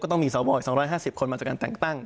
ต้องมีสวอีก๒๕๐คนมาจากการแต่งตั้ง